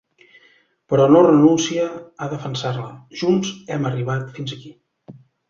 Però no renuncia a defensar-la: Junts hem arribat fins aquí.